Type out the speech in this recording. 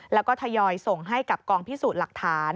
แล้วก็ทยอยส่งให้กับกองพิสูจน์หลักฐาน